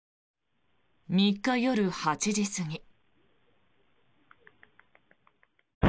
３日夜８時過ぎ。